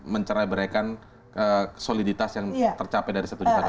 mencerai berekan soliditas yang tercapai dari satu di satu